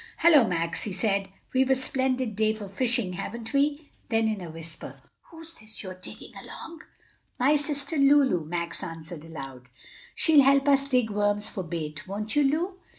"Hello! Max," he said; "we've a splendid day for fishing, haven't we?" Then in a whisper, "Who's this you're taking along?" "My sister Lulu," Max answered aloud. "She'll help us dig worms for bait, won't you, Lu?"